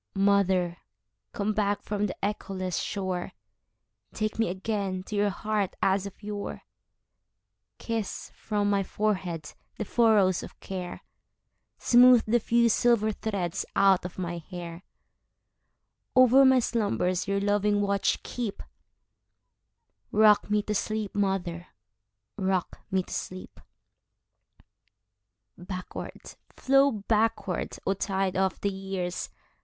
Mother, come back from the echoless shore, Take me again to your heart as of yore; Kiss from my forehead the furrows of care, Smooth the few silver threads out of my hair; Over my slumbers your loving watch keep;—Rock me to sleep, mother,—rock me to sleep! Backward, flow backward, O tide of the years!